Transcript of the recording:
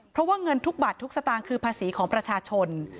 เพราะว่าเงินทุกบาททุกสตางค์คือภาษีของประชาชน